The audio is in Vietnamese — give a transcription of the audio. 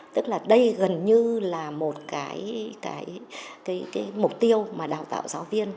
tức là đây gần như là một cái mục tiêu mà đào tạo giáo viên